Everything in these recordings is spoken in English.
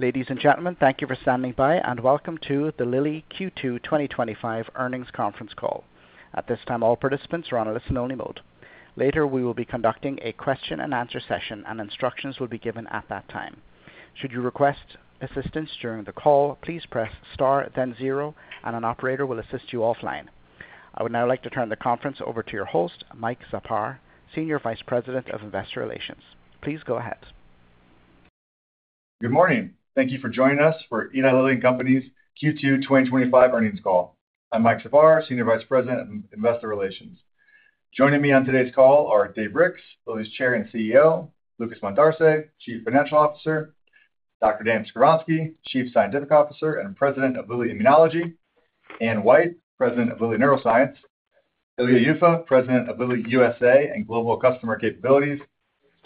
Ladies and gentlemen, thank you for standing by and welcome to the Lilly Q2 2025 earnings conference call. At this time, all participants are on a listen-only mode. Later, we will be conducting a question-and-answer session, and instructions will be given at that time. Should you request assistance during the call, please press star, then zero, and an operator will assist you offline. I would now like to turn the conference over to your host, Mike Czapar, Senior Vice President of Investor Relations. Please go ahead. Good morning. Thank you for joining us for Eli Lilly and Company's Q2 2025 earnings call. I'm Mike Czapar, Senior Vice President of Investor Relations. Joining me on today's call are Dave Ricks, Lilly's Chair and CEO, Lucas Montarce, Chief Financial Officer, Dr. Dan Skovronsky, Chief Scientific Officer and President of Lilly Immunology, Anne White, President of Lilly Neuroscience, Ilya Yuffa, President of Lilly U.S.A. and Global Customer Capabilities,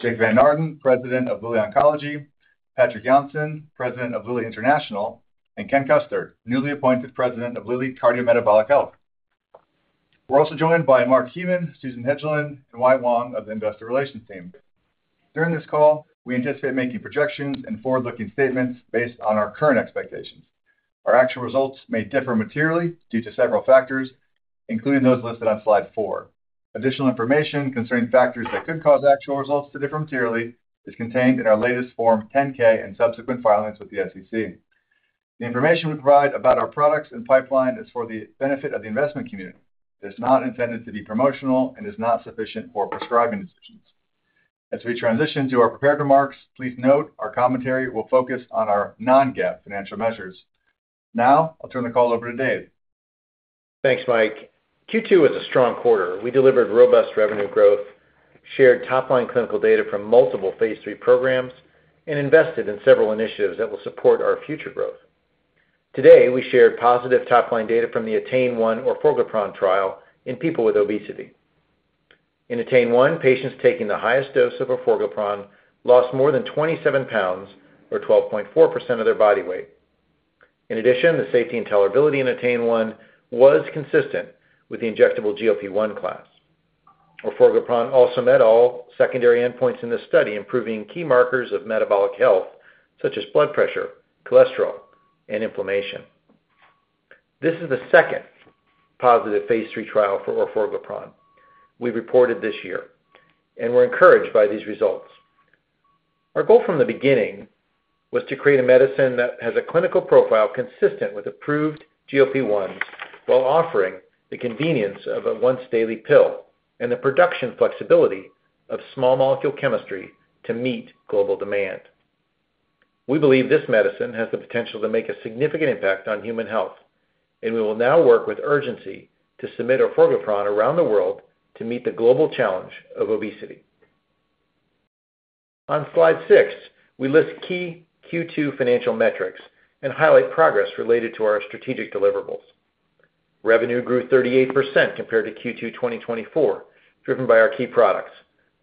Jim Van Naarden, President of Lilly Oncology, Patrik Jonsson, President of Lilly International, and Ken Custer, newly appointed President of Lilly Cardiometabolic Health. We're also joined by [Mark Mintun], Susan Ridlen, and Wai Wong of the Investor Relations team. During this call, we anticipate making projections and forward-looking statements based on our current expectations. Our actual results may differ materially due to several factors, including those listed on slide four. Additional information concerning factors that could cause actual results to differ materially is contained in our latest Form 10-K and subsequent filings with the SEC. The information we provide about our products and pipeline is for the benefit of the investment community. It is not intended to be promotional and is not sufficient for prescribing decisions. As we transition to our prepared remarks, please note our commentary will focus on our non-GAAP financial measures. Now, I'll turn the call over to Dave. Thanks, Mike. Q2 was a strong quarter. We delivered robust revenue growth, shared top-line clinical data from multiple Phase III programs, and invested in several initiatives that will support our future growth. Today, we shared positive top-line data from the ATTAIN-1 orforglipron trial in people with obesity. In ATTAIN-1, patients taking the highest dose of Orforglipron lost more than 27 lbs, or 12.4% of their body weight. In addition, the safety and tolerability in ATTAIN-1 was consistent with the injectable GLP-1 class. Orforglipron also met all secondary endpoints in the study, improving key markers of metabolic health, such as blood pressure, cholesterol, and inflammation. This is the second positive Phase III trial for orforglipron we've reported this year, and we're encouraged by these results. Our goal from the beginning was to create a medicine that has a clinical profile consistent with approved GLP-1s while offering the convenience of a once-daily pill and the production flexibility of small molecule chemistry to meet global demand. We believe this medicine has the potential to make a significant impact on human health, and we will now work with urgency to submit orforglipron around the world to meet the global challenge of obesity. On slide six, we list key Q2 financial metrics and highlight progress related to our strategic deliverables. Revenue grew 38% compared to Q2 2024, driven by our key products.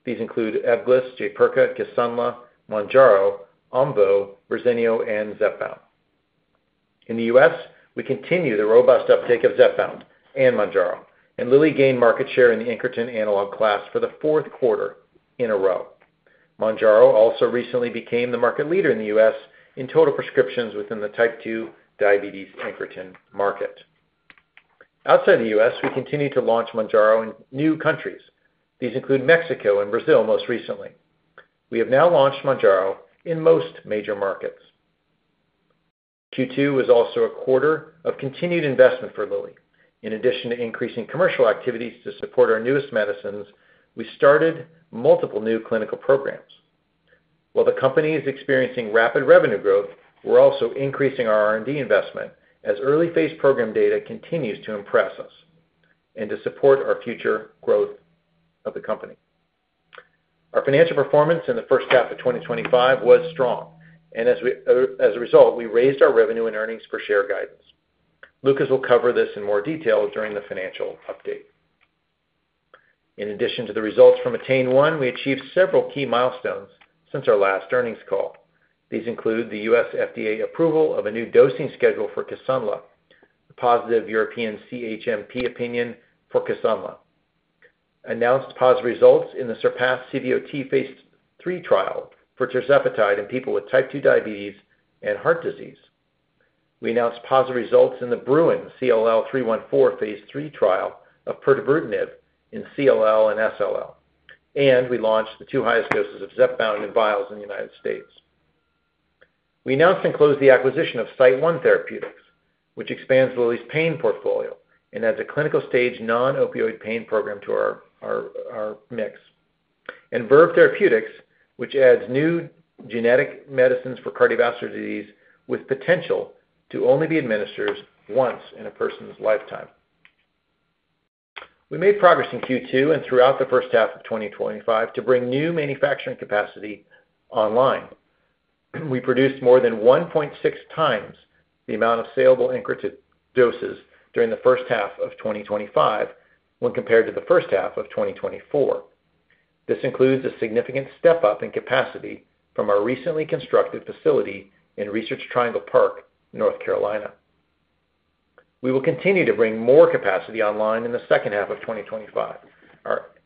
These include Ebglyss Jaypirca, Kisunla, Mounjaro, Omvoh, Verzenio, and Zepbound. In the U.S., we continue the robust uptake of Zepbound and Mounjaro, and Lilly gained market share in the incretin analog class for the fourth quarter in a row. Mounjaro also recently became the market leader in the U.S. in total prescriptions within the Type 2 diabetes incretin market. Outside the U.S., we continue to launch Mounjaro in new countries. These include Mexico and Brazil most recently. We have now launched Mounjaro in most major markets. Q2 was also a quarter of continued investment for Lilly. In addition to increasing commercial activities to support our newest medicines, we started multiple new clinical programs. While the company is experiencing rapid revenue growth, we're also increasing our R&D investment as early-phase program data continues to impress us and to support our future growth of the company. Our financial performance in the first half of 2025 was strong, and as a result, we raised our revenue and earnings per share guidance. Lucas will cover this in more detail during the financial update. In addition to the results from ATTAIN-1, we achieved several key milestones since our last earnings call. These include the U.S. FDA approval of a new dosing schedule for Kisunla, the positive European CHMP opinion for Kisunla, announced positive results in the SURPASS-CVOT Phase III trial for tirzepatide in people with Type 2 diabetes and heart disease. We announced positive results in the BRUIN CLL 314 Phase III trial of pirtobrutinib in CLL and SLL, and we launched the two highest doses of Zepbound in vials in the United States. We announced and closed the acquisition of SiteOne Therapeutics, which expands Lilly's pain portfolio and adds a clinical stage non-opioid pain program to our mix, and Verve Therapeutics, which adds new genetic medicines for cardiovascular disease with potential to only be administered once in a person's lifetime. We made progress in Q2 and throughout the first half of 2025 to bring new manufacturing capacity online. We produced more than 1.6x the amount of salable incretin doses during the first half of 2025 when compared to the first half of 2024. This includes a significant step-up in capacity from our recently constructed facility in Research Triangle Park, North Carolina. We will continue to bring more capacity online in the second half of 2025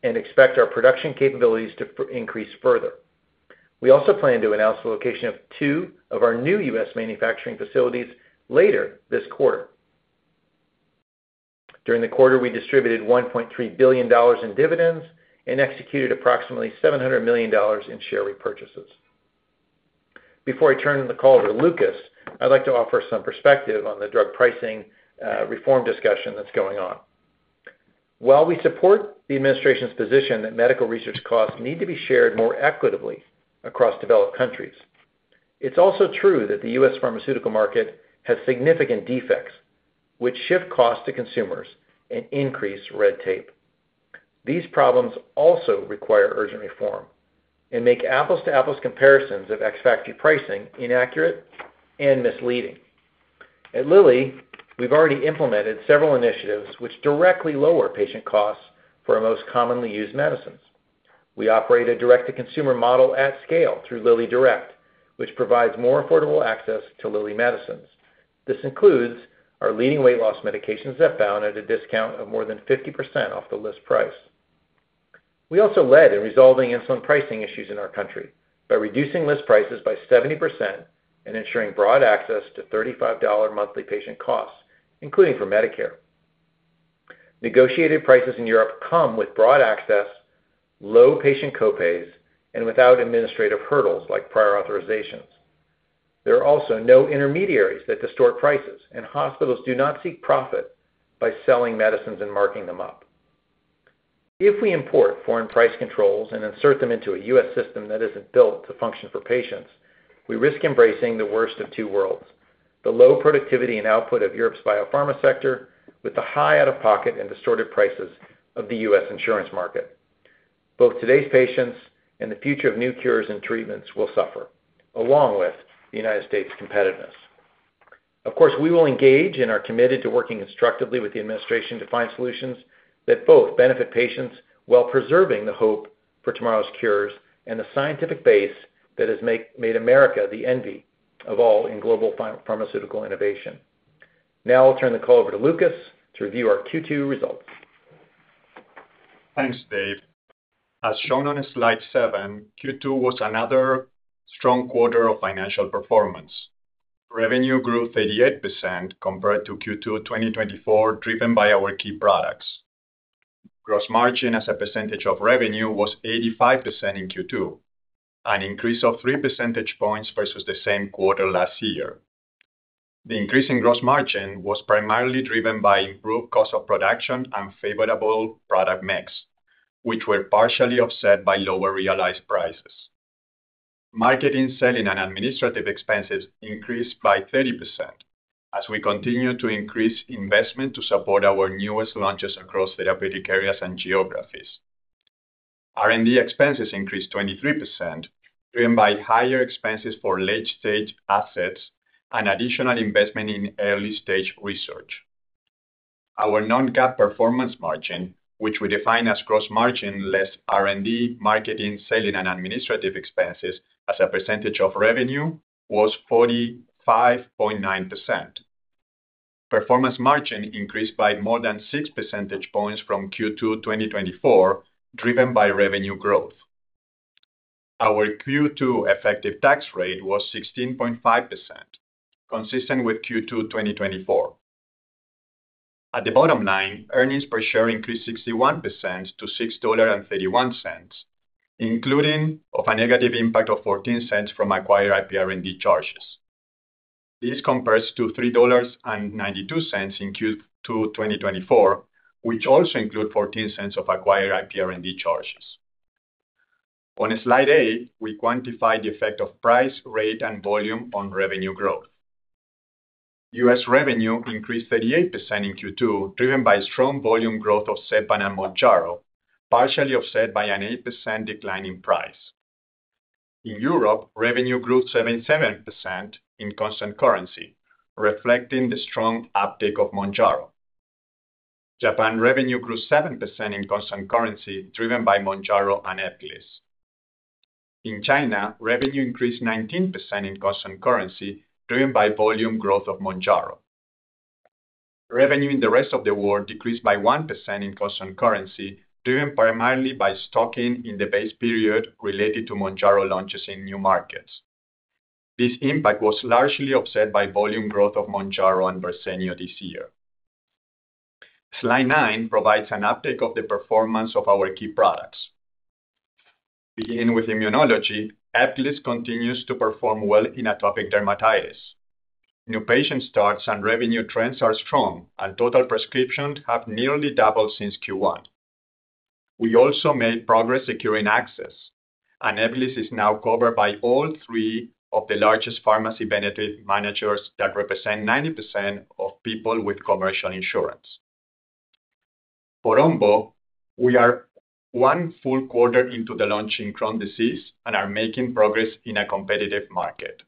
and expect our production capabilities to increase further. We also plan to announce the location of two of our new U.S. manufacturing facilities later this quarter. During the quarter, we distributed $1.3 billion in dividends and executed approximately $700 million in share repurchases. Before I turn the call over to Lucas, I'd like to offer some perspective on the drug pricing reform discussion that's going on. While we support the administration's position that medical research costs need to be shared more equitably across developed countries, it's also true that the U.S. pharmaceutical market has significant defects, which shift costs to consumers and increase red tape. These problems also require urgent reform and make apples-to-apples comparisons of ex-facto pricing inaccurate and misleading. At Lilly, we've already implemented several initiatives which directly lower patient costs for our most commonly used medicines. We operate a direct-to-consumer model at scale through LillyDirect, which provides more affordable access to Lilly medicines. This includes our leading weight loss medication, Zepbound, at a discount of more than 50% off the list price. We also led in resolving insulin pricing issues in our country by reducing list prices by 70% and ensuring broad access to $35 monthly patient costs, including for Medicare. Negotiated prices in Europe come with broad access, low patient copays, and without administrative hurdles like prior authorizations. There are also no intermediaries that distort prices, and hospitals do not seek profit by selling medicines and marking them up. If we import foreign price controls and insert them into a U.S. system that isn't built to function for patients, we risk embracing the worst of two worlds: the low productivity and output of Europe's biopharma sector, with the high out-of-pocket and distorted prices of the U.S. insurance market. Both today's patients and the future of new cures and treatments will suffer, along with the United States' competitiveness. Of course, we will engage and are committed to working constructively with the administration to find solutions that both benefit patients while preserving the hope for tomorrow's cures and the scientific base that has made America the envy of all in global pharmaceutical innovation. Now, I'll turn the call over to Lucas to review our Q2 results. Thanks, Dave. As shown on slide seven, Q2 was another strong quarter of financial performance. Revenue grew 38% compared to Q2 2024, driven by our key products. Gross margin as a percentage of revenue was 85% in Q2, an increase of three percentage points versus the same quarter last year. The increase in gross margin was primarily driven by improved cost of production and favorable product mix, which were partially offset by lower realized prices. Marketing, selling, and administrative expenses increased by 30% as we continue to increase investment to support our newest launches across therapeutic areas and geographies. R&D expenses increased 23%, driven by higher expenses for late-stage assets and additional investment in early-stage research. Our non-GAAP performance margin, which we define as gross margin less R&D, marketing, selling, and administrative expenses as a percentage of revenue, was 45.9%. Performance margin increased by more than six percentage points from Q2 2024, driven by revenue growth. Our Q2 effective tax rate was 16.5%, consistent with Q2 2024. At the bottom line, earnings per share increased 61% to $6.31, including a negative impact of $0.14 from acquired IP R&D charges. This compares to $3.92 in Q2 2024, which also includes $0.14 of acquired IP R&D charges. On slide eight, we quantify the effect of price, rate, and volume on revenue growth. U.S. revenue increased 38% in Q2, driven by strong volume growth of Zepbound and Mounjaro, partially offset by an 8% decline in price. In Europe, revenue grew 77% in constant currency, reflecting the strong uptake of Mounjaro. Japan revenue grew 7% in constant currency, driven by Mounjaro and Ebglyss. In China, revenue increased 19% in constant currency, driven by volume growth of Mounjaro. Revenue in the rest of the world decreased by 1% in constant currency, driven primarily by stocking in the base period related to Mounjaro launches in new markets. This impact was largely offset by volume growth of Mounjaro and Verzenio this year. Slide nine provides an update of the performance of our key products. Beginning with immunology, Ebglyss continues to perform well in atopic dermatitis. New patient starts and revenue trends are strong, and total prescriptions have nearly doubled since Q1. We also made progress securing access, and Ebglyss is now covered by all three of the largest pharmacy benefit managers that represent 90% of people with commercial insurance. For Omvoh, we are one full quarter into the launch in Crohn's disease and are making progress in a competitive market.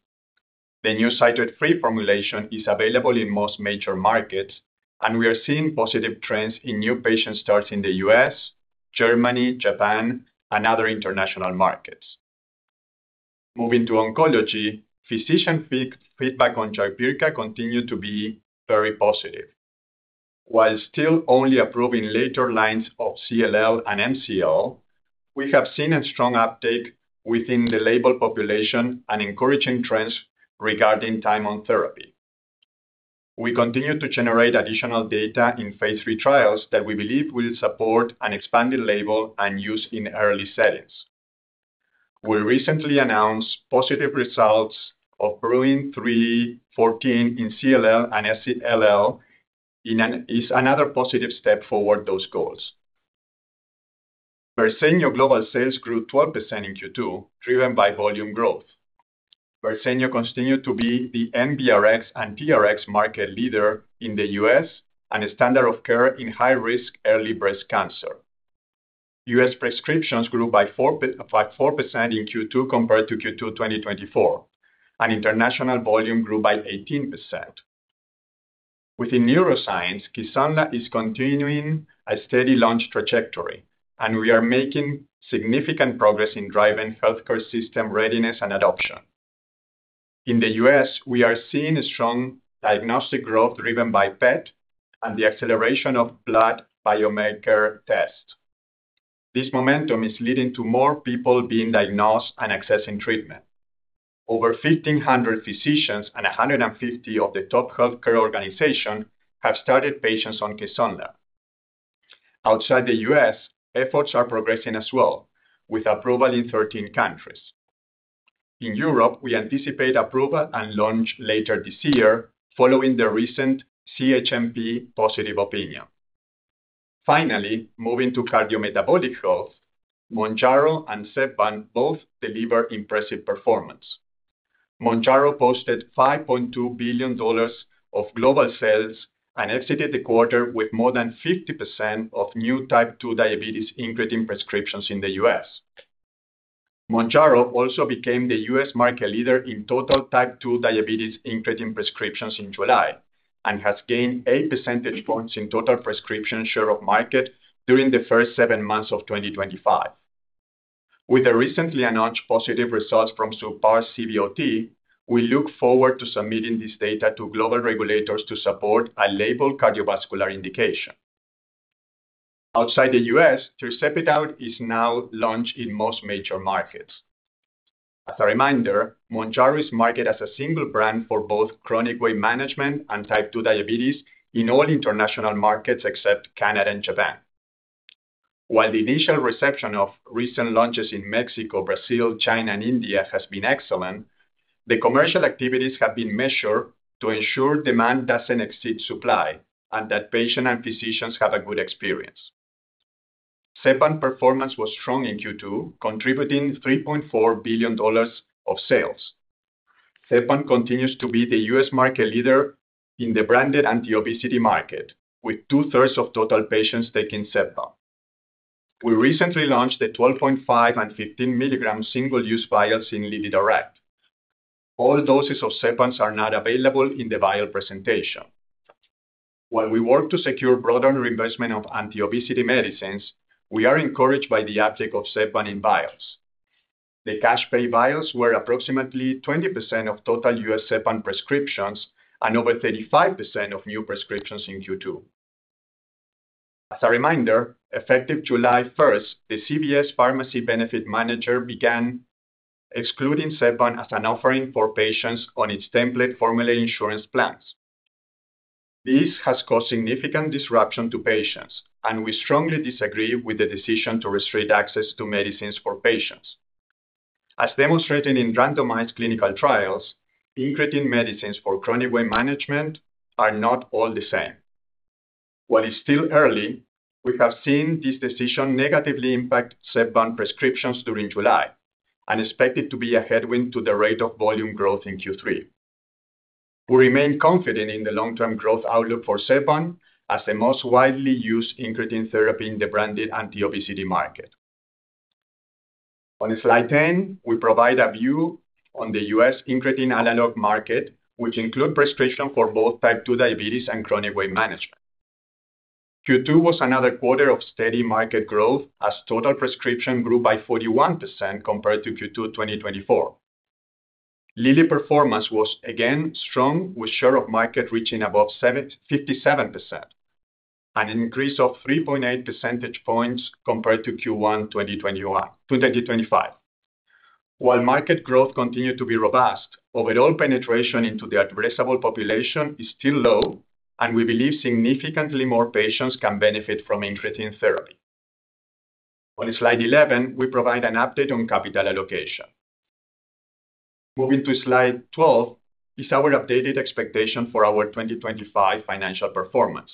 The [new CytoT3] formulation is available in most major markets, and we are seeing positive trends in new patient starts in the U.S., Germany, Japan, and other international markets. Moving to oncology, physician feedback on Jaypirca continues to be very positive. While still only approving later lines of CLL and MCL, we have seen a strong uptake within the label population and encouraging trends regarding time on therapy. We continue to generate additional data in Phase III trials that we believe will support an expanded label and use in early settings. We recently announced positive results of BRUIN 314 in CLL and SLL, and it's another positive step forward towards those goals. Verzenio global sales grew 12% in Q2, driven by volume growth. Verzenio continues to be the NBRx and TRx market leader in the U.S. and a standard of care in high-risk early breast cancer. U.S. prescriptions grew by 4% in Q2 compared to Q2 2024, and international volume grew by 18%. Within neuroscience, Kisunla is continuing a steady launch trajectory, and we are making significant progress in driving healthcare system readiness and adoption. In the U.S., we are seeing a strong diagnostic growth driven by PET and the acceleration of blood biomarker tests. This momentum is leading to more people being diagnosed and accessing treatment. Over 1,500 physicians and 150 of the top healthcare organizations have started patients on Kisunla. Outside the U.S., efforts are progressing as well, with approval in 13 countries. In Europe, we anticipate approval and launch later this year following the recent CHMP positive opinion. Finally, moving to cardiometabolic health, Mounjaro and Zepbound both deliver impressive performance. Mounjaro posted $5.2 billion of global sales and exited the quarter with more than 50% of new Type 2 diabetes incretin prescriptions in the U.S. Mounjaro also became the U.S. market leader in total Type 2 diabetes incretin prescriptions in July and has gained eight percentage points in total prescription share of market during the first seven months of 2025. With the recently announced positive results from SURPASS-CVOT, we look forward to submitting this data to global regulators to support a labeled cardiovascular indication. Outside the U.S., tirzepatide is now launched in most major markets. As a reminder, Mounjaro is marketed as a single brand for both chronic weight management and Type 2 diabetes in all international markets except Canada and Japan. While the initial reception of recent launches in Mexico, Brazil, China, and India has been excellent, the commercial activities have been measured to ensure demand doesn't exceed supply and that patients and physicians have a good experience. Zepbound performance was strong in Q2, contributing $3.4 billion of sales. Zepbound continues to be the U.S. market leader in the branded anti-obesity market, with 2/3 of total patients taking Zepbound. We recently launched the 12.5 mg and 15 mg single-use vials in LillyDirect. All doses of Zepbound are now available in the vial presentation. While we work to secure broader investment of anti-obesity medicines, we are encouraged by the uptake of Zepbound in vials. The cash-pay vials were approximately 20% of total U.S. Zepbound prescriptions and over 35% of new prescriptions in Q2. As a reminder, effective July 1st, the CVS Pharmacy Benefit Manager began excluding Zepbound as an offering for patients on its template formulary insurance plans. This has caused significant disruption to patients, and we strongly disagree with the decision to restrict access to medicines for patients. As demonstrated in randomized clinical trials, incretin medicines for chronic weight management are not all the same. While it's still early, we have seen this decision negatively impact Zepbound prescriptions during July and expect it to be a headwind to the rate of volume growth in Q3. We remain confident in the long-term growth outlook for Zepbound as the most widely used incretin therapy in the branded anti-obesity market. On slide 10, we provide a view on the U.S. incretin analog market, which includes prescriptions for both Type 2 diabetes and chronic weight management. Q2 was another quarter of steady market growth as total prescriptions grew by 41% compared to Q2 2024. Lilly performance was again strong, with share of market reaching above 57%, an increase of 3.8 percentage points compared to Q1 2025. While market growth continues to be robust, overall penetration into the addressable population is still low, and we believe significantly more patients can benefit from incretin therapy. On slide 11, we provide an update on capital allocation. Moving to slide 12 is our updated expectation for our 2025 financial performance.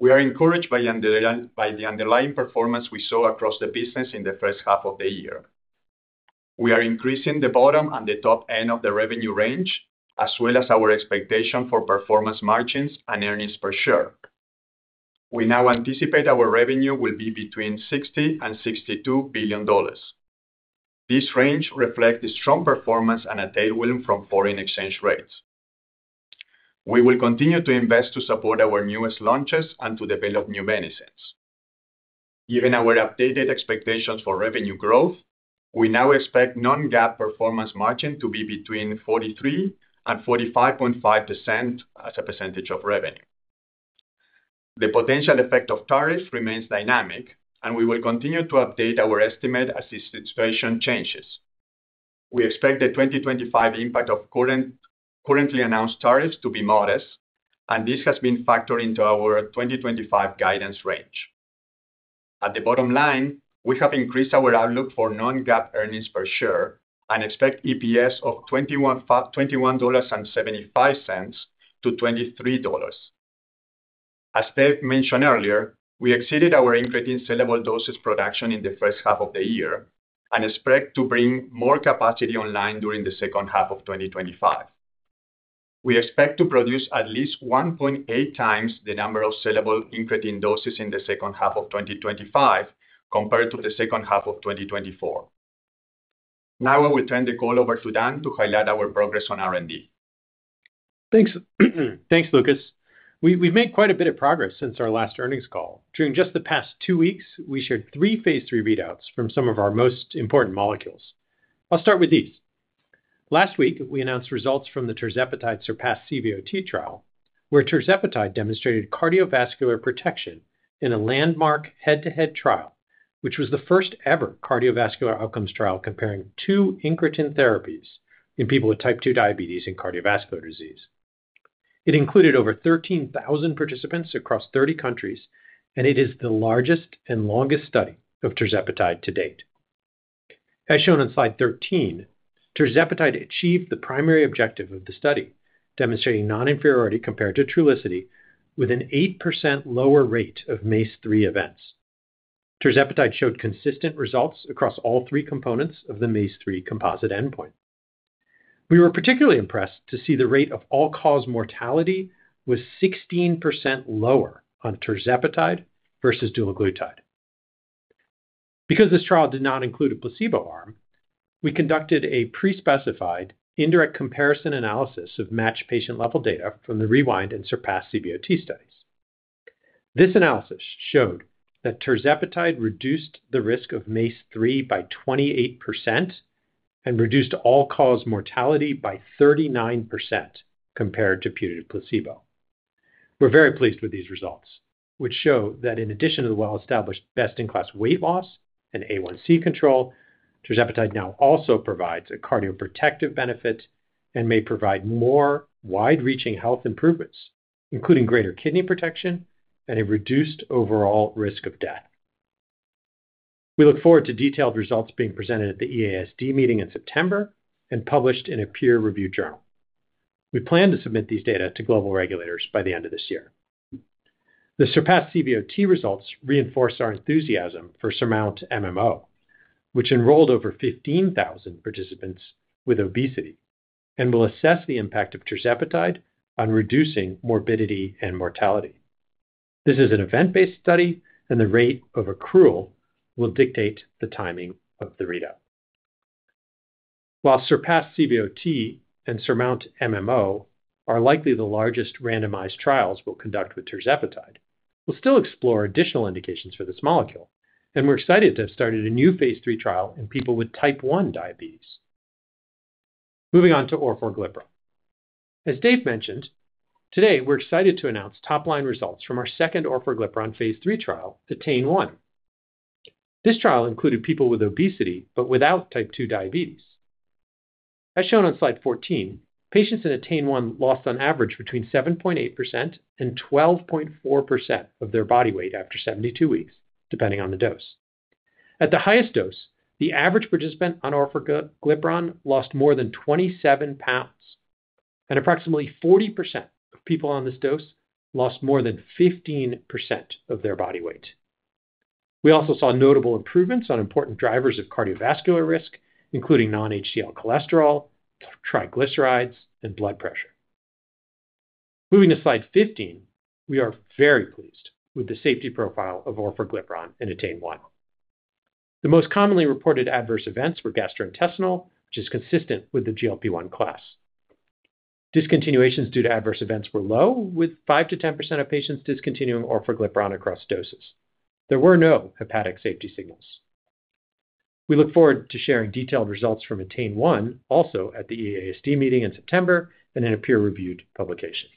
We are encouraged by the underlying performance we saw across the business in the first half of the year. We are increasing the bottom and the top end of the revenue range, as well as our expectation for performance margins and earnings per share. We now anticipate our revenue will be between $60 billion and $62 billion. This range reflects the strong performance and tailwind from foreign exchange rates. We will continue to invest to support our newest launches and to develop new medicines. Given our updated expectations for revenue growth, we now expect non-GAAP performance margin to be between 43% and 45.5% as a percentage of revenue. The potential effect of tariffs remains dynamic, and we will continue to update our estimate as the situation changes. We expect the 2025 impact of currently announced tariffs to be modest, and this has been factored into our 2025 guidance range. At the bottom line, we have increased our outlook for non-GAAP earnings per share and expect EPS of $21.75 to $23. As Dave mentioned earlier, we exceeded our incretin sellable doses production in the first half of the year and expect to bring more capacity online during the second half of 2025. We expect to produce at least 1.8x the number of sellable incretin doses in the second half of 2025 compared to the second half of 2024. Now, I will turn the call over to Dan to highlight our progress on R&D. Thanks, Lucas. We've made quite a bit of progress since our last earnings call. During just the past two weeks, we shared three Phase III readouts from some of our most important molecules. I'll start with these. Last week, we announced results from the tirzepatide SURPASS-CVOT trial, where tirzepatide demonstrated cardiovascular protection in a landmark head-to-head trial, which was the first ever cardiovascular outcomes trial comparing two incretin therapies in people with Type 2 diabetes and cardiovascular disease. It included over 13,000 participants across 30 countries, and it is the largest and longest study of tirzepatide to date. As shown on slide 13, tirzepatide achieved the primary objective of the study, demonstrating non-inferiority compared to Trulicity with an 8% lower rate of MACE3 events. Tirzepatide showed consistent results across all three components of the MACE3 composite endpoint. We were particularly impressed to see the rate of all-cause mortality was 16% lower on tirzepatide versus dulaglutide. Because this trial did not include a placebo arm, we conducted a pre-specified indirect comparison analysis of matched patient-level data from the REWIND and SURPASS-CVOT studies. This analysis showed that tirzepatide reduced the risk of MACE3 by 28% and reduced all-cause mortality by 39% compared to putative placebo. We're very pleased with these results, which show that in addition to the well-established best-in-class weight loss and A1C control, tirzepatide now also provides a cardioprotective benefit and may provide more wide-reaching health improvements, including greater kidney protection and a reduced overall risk of death. We look forward to detailed results being presented at the EASD meeting in September and published in a peer-reviewed journal. We plan to submit these data to global regulators by the end of this year. The SURPASS-CVOT results reinforce our enthusiasm for SURMOUNT-MMO, which enrolled over 15,000 participants with obesity and will assess the impact of tirzepatide on reducing morbidity and mortality. This is an event-based study, and the rate of accrual will dictate the timing of the readout. While SURPASS-CVOT and SURMOUNT-MMO are likely the largest randomized trials we'll conduct with tirzepatide, we'll still explore additional indications for this molecule, and we're excited to have started a new Phase III trial in people with Type 1 diabetes. Moving on to orforglipron. As Dave mentioned, today we're excited to announce top-line results from our second orforglipron Phase III trial, ATTAIN-1. This trial included people with obesity but without Type 2 diabetes. As shown on slide 14, patients in ATTAIN-1 lost on average between 7.8% and 12.4% of their body weight after 72 weeks, depending on the dose. At the highest dose, the average participant on orforglipron lost more than 27 lbs, and approximately 40% of people on this dose lost more than 15% of their body weight. We also saw notable improvements on important drivers of cardiovascular risk, including non-HDL cholesterol, triglycerides, and blood pressure. Moving to slide 15, we are very pleased with the safety profile of orforglipron in ATTAIN-1. The most commonly reported adverse events were gastrointestinal, which is consistent with the GLP-1 class. Discontinuations due to adverse events were low, with 5%-10% of patients discontinuing orforglipron across doses. There were no hepatic safety signals. We look forward to sharing detailed results from ATTAIN-1 also at the EASD meeting in September and in a peer-reviewed publication.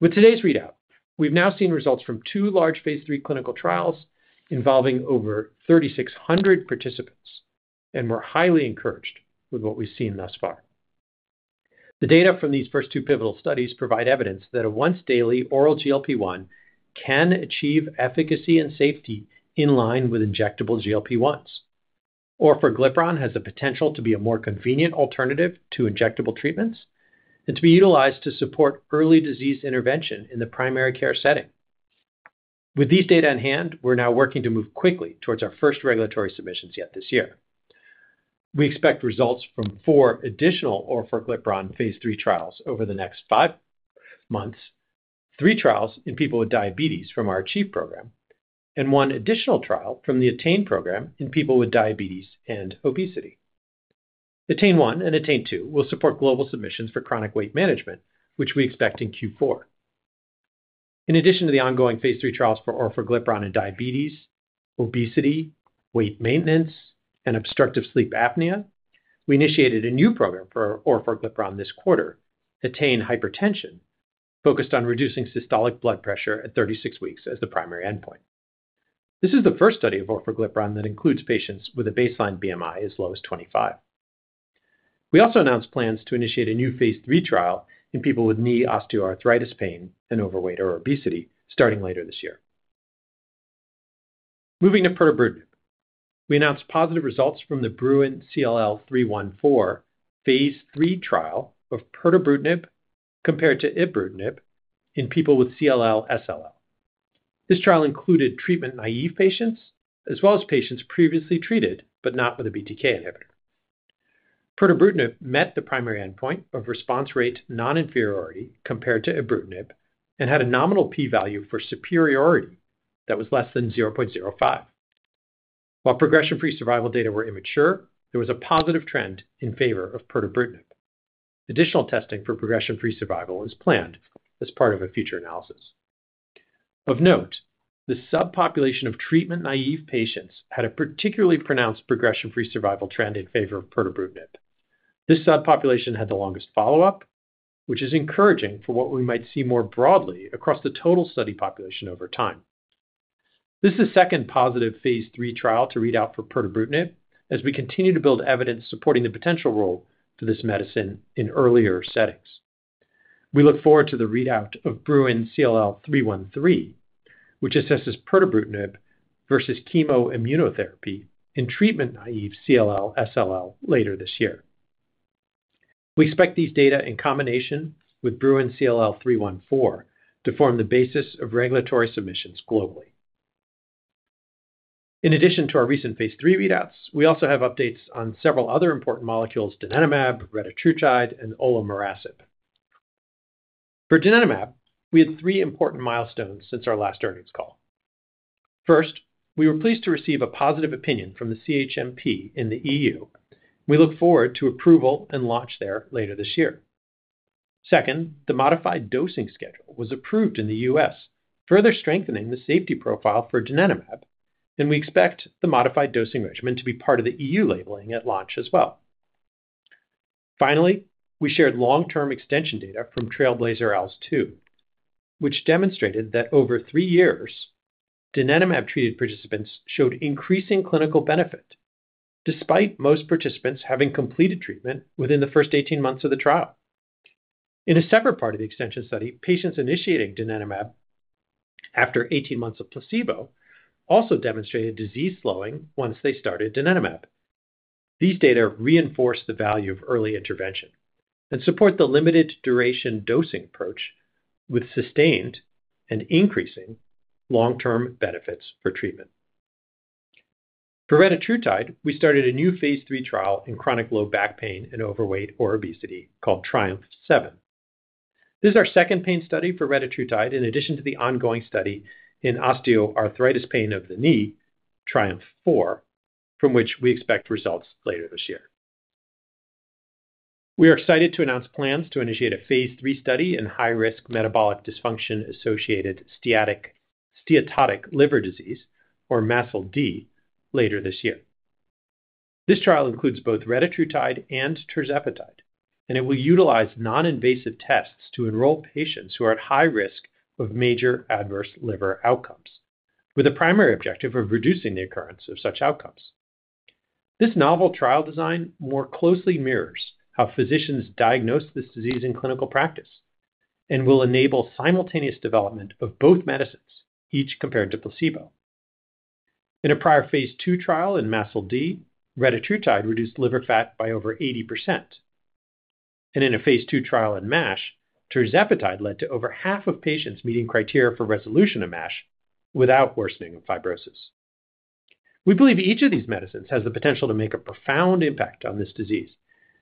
With today's readout, we've now seen results from two large Phase III clinical trials involving over 3,600 participants, and we're highly encouraged with what we've seen thus far. The data from these first two pivotal studies provide evidence that a once-daily oral GLP-1 can achieve efficacy and safety in line with injectable GLP-1s. Orforglipron has the potential to be a more convenient alternative to injectable treatments and to be utilized to support early disease intervention in the primary care setting. With these data in hand, we're now working to move quickly towards our first regulatory submissions yet this year. We expect results from four additional orforglipron Phase III trials over the next five months, three trials in people with diabetes from our ACHIEVE program, and one additional trial from the ATTAIN program in people with diabetes and obesity. ATTAIN-1 and ATTAIN-2 will support global submissions for chronic weight management, which we expect in Q4. In addition to the ongoing Phase III trials for orforglipron in diabetes, obesity, weight maintenance, and obstructive sleep apnea, we initiated a new program for orforglipron this quarter, ATTAIN-HYPERTENSION, focused on reducing systolic blood pressure at 36 weeks as the primary endpoint. This is the first study of orforglipron that includes patients with a baseline BMI as low as 25. We also announced plans to initiate a new Phase III trial in people with knee osteoarthritis pain and overweight or obesity, starting later this year. Moving to pirtobrutinib, we announced positive results from the BRUIN CLL-314 Phase III trial of pirtobrutinib compared to ibrutinib in people with CLL/SLL. This trial included treatment-naive patients as well as patients previously treated but not with a BTK inhibitor. Pirtobrutinib met the primary endpoint of response rate non-inferiority compared to ibrutinib and had a nominal p-value for superiority that was less than 0.05. While progression-free survival data were immature, there was a positive trend in favor of pirtobrutinib. Additional testing for progression-free survival is planned as part of a future analysis. Of note, the subpopulation of treatment-naive patients had a particularly pronounced progression-free survival trend in favor of pirtobrutinib. This subpopulation had the longest follow-up, which is encouraging for what we might see more broadly across the total study population over time. This is the second positive Phase III trial to read out for pirtobrutinib as we continue to build evidence supporting the potential role for this medicine in earlier settings. We look forward to the readout of BRUIN CLL-313, which assesses pirtobrutinib versus chemoimmunotherapy in treatment-naive CLL/SLL later this year. We expect these data in combination with BRUIN CLL-314 to form the basis of regulatory submissions globally. In addition to our recent Phase III readouts, we also have updates on several other important molecules: donanemab, retatrutide, and olomorasib. For donanemab, we had three important milestones since our last earnings call. First, we were pleased to receive a positive opinion from the CHMP in the EU. We look forward to approval and launch there later this year. Second, the modified dosing schedule was approved in the U.S., further strengthening the safety profile for donanemab, and we expect the modified dosing regimen to be part of the EU labeling at launch as well. Finally, we shared long-term extension data from TRAILBLAZER-ALZ 2, which demonstrated that over three years, donanemab-treated participants showed increasing clinical benefit despite most participants having completed treatment within the first 18 months of the trial. In a separate part of the extension study, patients initiating donanemab after 18 months of placebo also demonstrated disease slowing once they started donanemab. These data reinforce the value of early intervention and support the limited duration dosing approach with sustained and increasing long-term benefits for treatment. For retatrutide, we started a new Phase III trial in chronic low back pain and overweight or obesity called TRIUMPH-7. This is our second pain study for retatrutide in addition to the ongoing study in osteoarthritis pain of the knee, TRIUMPH-4, from which we expect results later this year. We are excited to announce plans to initiate a Phase III study in high-risk metabolic dysfunction-associated steatotic liver disease, or MASLD, later this year. This trial includes both retatrutide and tirzepatide, and it will utilize non-invasive tests to enroll patients who are at high risk of major adverse liver outcomes, with a primary objective of reducing the occurrence of such outcomes. This novel trial design more closely mirrors how physicians diagnose this disease in clinical practice and will enable simultaneous development of both medicines, each compared to placebo. In a prior Phase II trial in MASLD, retatrutide reduced liver fat by over 80%, and in a Phase II trial in MASH, tirzepatide led to over half of patients meeting criteria for resolution of MASH without worsening of fibrosis. We believe each of these medicines has the potential to make a profound impact on this disease,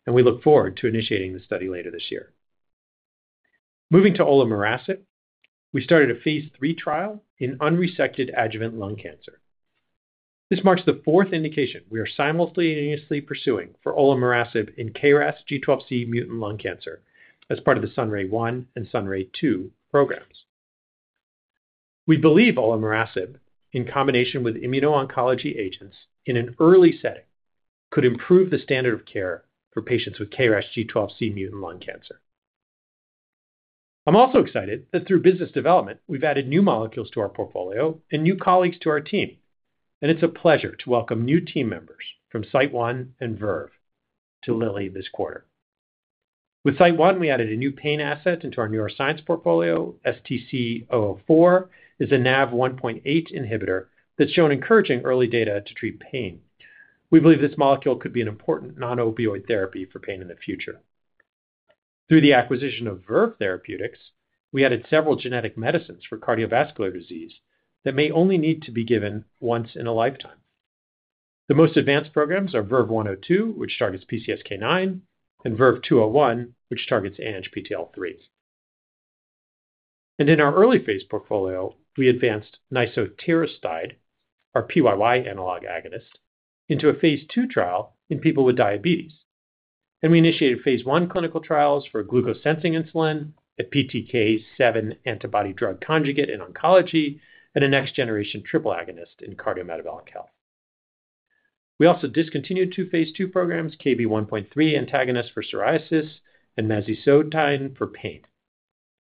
and we look forward to initiating the study later this year. Moving to olomarasib, we started a Phase III trial in unresected adjuvant lung cancer. This marks the fourth indication we are simultaneously pursuing for olomarasib in KRAS G12C mutant lung cancer as part of the SUNRAY-1 and SUNRAY-2 programs. We believe olomarasib, in combination with immuno-oncology agents in an early setting, could improve the standard of care for patients with KRAS G12C mutant lung cancer. I'm also excited that through business development, we've added new molecules to our portfolio and new colleagues to our team, and it's a pleasure to welcome new team members from SiteOne and Verve to Lilly this quarter. With SiteOne, we added a new pain asset into our neuroscience portfolio. STC-004 is a NAV1.8 inhibitor that's shown encouraging early data to treat pain. We believe this molecule could be an important non-opioid therapy for pain in the future. Through the acquisition of Verve Therapeutics, we added several genetic medicines for cardiovascular disease that may only need to be given once in a lifetime. The most advanced programs are VERVE-102, which targets PCSK9, and VERVE-201, which targets ANGPTL3. In our early phase portfolio, we advanced nisotiroside, our PYY analog agonist, into a Phase II trial in people with diabetes, and we initiated Phase I clinical trials for glucose-sensing insulin, a PTK7 antibody drug conjugate in oncology, and a next-generation triple agonist in cardiometabolic health. We also discontinued two Phase II programs: KB1.3 antagonist for psoriasis and [nazisotide] for pain,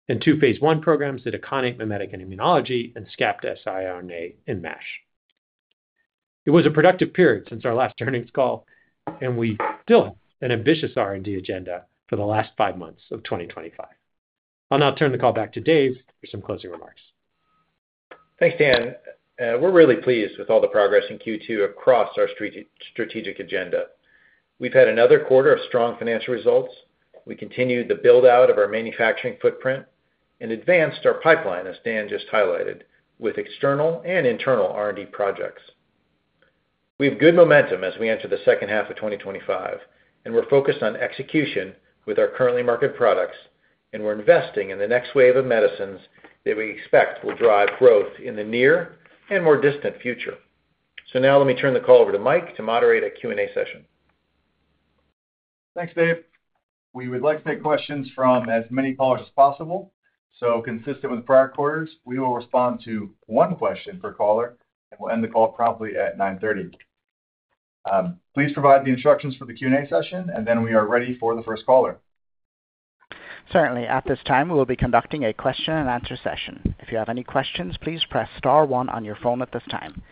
and two Phase I programs: itaconate mimetic in immunology and SCAPT-siRNA in MASH. It was a productive period since our last earnings call, and we still have an ambitious R&D agenda for the last five months of 2025. I'll now turn the call back to Dave for some closing remarks. Thanks, Dan. We're really pleased with all the progress in Q2 across our strategic agenda. We've had another quarter of strong financial results. We continued the build-out of our manufacturing footprint and advanced our pipeline, as Dan just highlighted, with external and internal R&D projects. We have good momentum as we enter the second half of 2025, and we're focused on execution with our currently marketed products, and we're investing in the next wave of medicines that we expect will drive growth in the near and more distant future. Let me turn the call over to Mike to moderate a Q&A session. Thanks, Dave. We would like to take questions from as many callers as possible, so consistent with prior quarters, we will respond to one question per caller. We'll end the call promptly at 9:30. Please provide the instructions for the Q&A session, and then we are ready for the first caller. Certainly. At this time, we will be conducting a question-and-answer session. If you have any questions, please press star one on your phone at this time.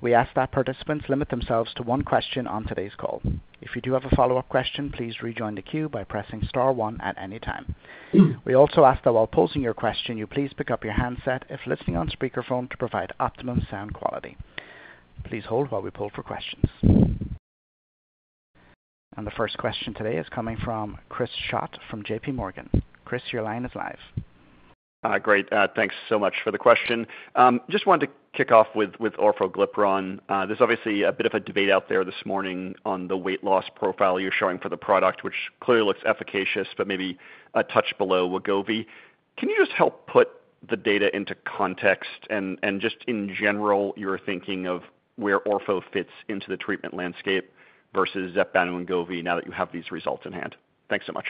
We ask that participants limit themselves to one question on today's call. If you do have a follow-up question, please rejoin the queue by pressing star one at any time. We also ask that while posing your question, you please pick up your handset if listening on speakerphone to provide optimum sound quality. Please hold while we poll for questions. The first question today is coming from Chris Schott from JPMorgan. Chris, your line is live. Great. Thanks so much for the question. Just wanted to kick off with orforglipron. There's obviously a bit of a debate out there this morning on the weight loss profile you're showing for the product, which clearly looks efficacious, but maybe a touch below Wegovy. Can you just help put the data into context and just in general your thinking of where orfor fits into the treatment landscape versus Zepbound and Wegovy now that you have these results in hand? Thanks so much.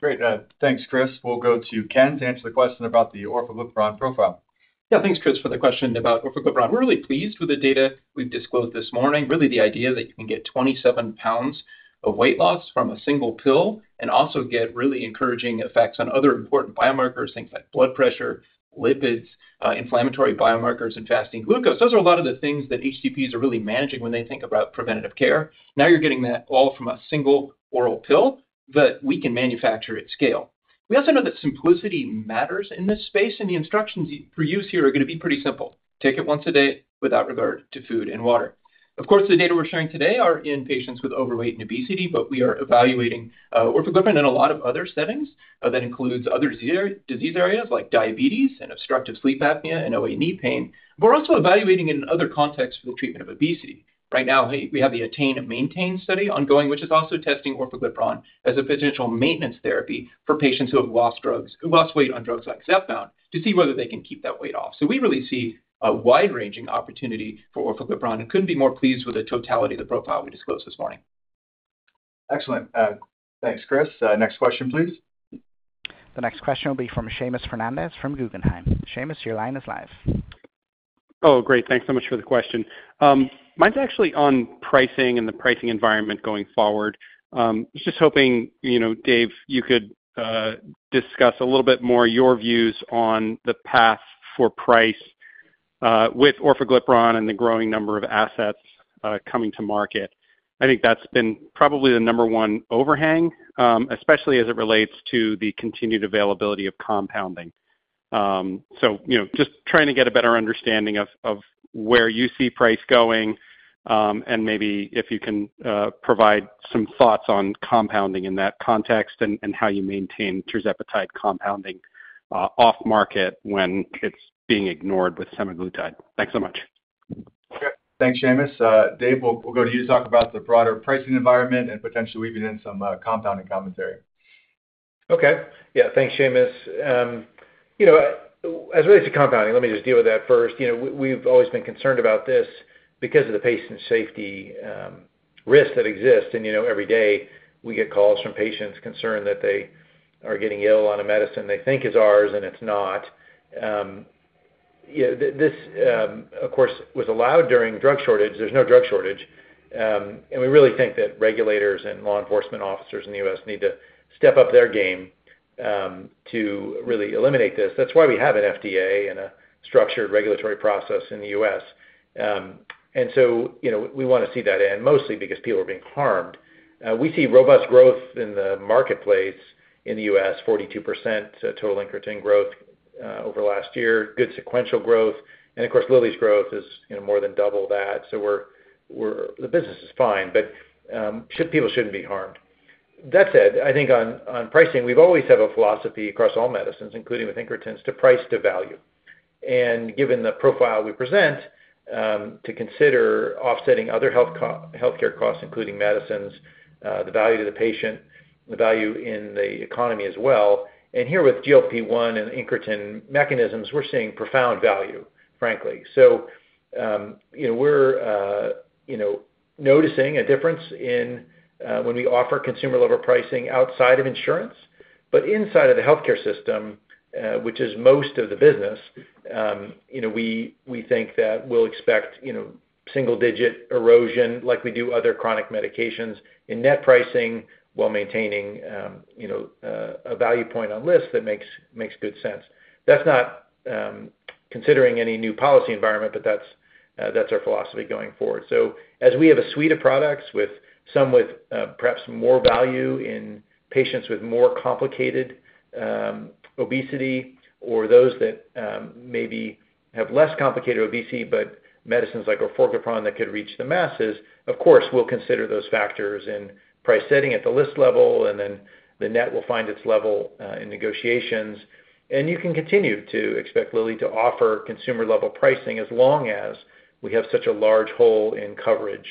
Great. Thanks, Chris. We'll go to Ken to answer the question about the orforglipron profile. Yeah, thanks, Chris, for the question about orforglipron. We're really pleased with the data we've disclosed this morning. Really, the idea that you can get 27 lbs of weight loss from a single pill and also get really encouraging effects on other important biomarkers, things like blood pressure, lipids, inflammatory biomarkers, and fasting glucose. Those are a lot of the things that HCPs are really managing when they think about preventative care. Now you're getting that all from a single oral pill that we can manufacture at scale. We also know that simplicity matters in this space, and the instructions for use here are going to be pretty simple. Take it once a day without regard to food and water. Of course, the data we're sharing today are in patients with overweight and obesity, but we are evaluating orforglipron in a lot of other settings. That includes other disease areas like diabetes and obstructive sleep apnea and OA knee pain, but we're also evaluating in other contexts for the treatment of obesity. Right now, we have the ATTAIN and MAINTAIN study ongoing, which is also testing orforglipron as a potential maintenance therapy for patients who have lost weight on drugs like Zepbound to see whether they can keep that weight off. We really see a wide-ranging opportunity for orforglipron and couldn't be more pleased with the totality of the profile we disclosed this morning. Excellent. Thanks, Chris. Next question, please. The next question will be from Seamus Fernandez from Guggenheim. Seamus, your line is live. Oh, great. Thanks so much for the question. Mine's actually on pricing and the pricing environment going forward. I was just hoping, you know, Dave, you could discuss a little bit more your views on the path for price with orforglipron and the growing number of assets coming to market. I think that's been probably the number one overhang, especially as it relates to the continued availability of compounding. Just trying to get a better understanding of where you see price going and maybe if you can provide some thoughts on compounding in that context and how you maintain tirzepatide compounding off-market when it's being ignored with semaglutide. Thanks so much. Thanks, Seamus. Dave, we'll go to you to talk about the broader pricing environment and potentially weaving in some compounding commentary. Okay. Yeah, thanks, Seamus. As it relates to compounding, let me just deal with that first. We've always been concerned about this because of the patient safety risks that exist. Every day we get calls from patients concerned that they are getting ill on a medicine they think is ours and it's not. This, of course, was allowed during drug shortage. There's no drug shortage. We really think that regulators and law enforcement officers in the U.S. need to step up their game to really eliminate this. That's why we have an FDA and a structured regulatory process in the U.S. We want to see that end, mostly because people are being harmed. We see robust growth in the marketplace in the U.S., 42% total incretin growth over the last year, good sequential growth. Of course, Lilly's growth is more than double that. The business is fine, but people shouldn't be harmed. That said, I think on pricing, we've always had a philosophy across all medicines, including with incretins, to price to value. Given the profile we present, to consider offsetting other healthcare costs, including medicines, the value to the patient, the value in the economy as well. Here with GLP-1 and incretin mechanisms, we're seeing profound value, frankly. We're noticing a difference in when we offer consumer-level pricing outside of insurance. Inside of the healthcare system, which is most of the business, we think that we'll expect single-digit erosion like we do other chronic medications in net pricing while maintaining a value point on lists that makes good sense. That's not considering any new policy environment, but that's our philosophy going forward. As we have a suite of products, some with perhaps more value in patients with more complicated obesity or those that maybe have less complicated obesity, but medicines like orforglipron that could reach the masses, we'll consider those factors in price setting at the list level, and then the net will find its level in negotiations. You can continue to expect Lilly to offer consumer-level pricing as long as we have such a large hole in coverage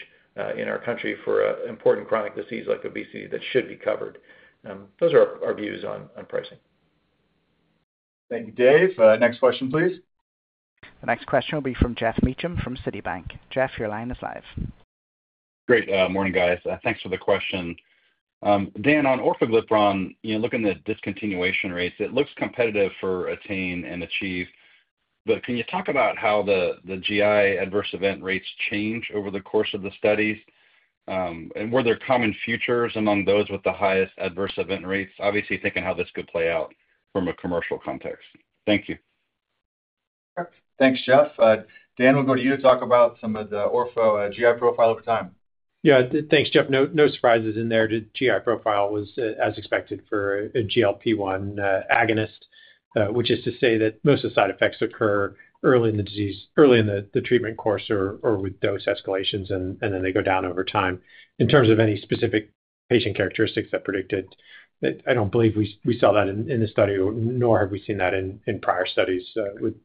in our country for an important chronic disease like obesity that should be covered. Those are our views on pricing. Thank you, Dave. Next question, please. The next question will be from Geoff Meacham from Citibank. Geoff, your line is live. Great. Morning, guys. Thanks for the question. Dan, on orforglipron, you know, looking at discontinuation rates, it looks competitive for ATTAIN and ACHIEVE, but can you talk about how the GI adverse event rates change over the course of the studies? Were there common features among those with the highest adverse event rates? Obviously, thinking how this could play out from a commercial context. Thank you. Thanks, Geoff. Dan, we'll go to you to talk about some of the orfor GI profile at the time. Yeah, thanks, Geoff. No surprises in there. The GI profile was as expected for a GLP-1 agonist, which is to say that most of the side effects occur early in the treatment course or with dose escalations, and then they go down over time. In terms of any specific patient characteristics that predicted, I don't believe we saw that in the study, nor have we seen that in prior studies with